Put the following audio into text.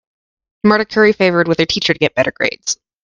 Marta curry favored with her teacher to get better grades.